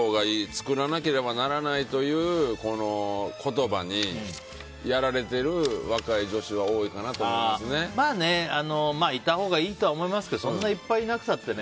作らなければならないという言葉にやられてる若い女子は多いかなといたほうがいいとは思いますけどそんないっぱいいなくたってね。